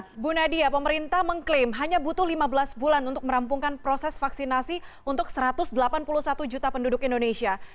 ibu nadia pemerintah mengklaim hanya butuh lima belas bulan untuk merampungkan proses vaksinasi untuk satu ratus delapan puluh satu juta penduduk indonesia